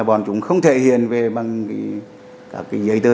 bọn chúng không thể hiện về bằng giấy tờ